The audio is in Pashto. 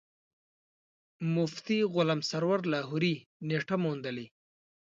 مفتي غلام سرور لاهوري نېټه موندلې.